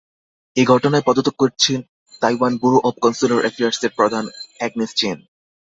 এ ঘটনায় পদত্যাগ করেছেন তাইওয়ান ব্যুরো অব কনস্যুলার অ্যাফেয়ার্সের প্রধান অ্যাগ্নেস চেন।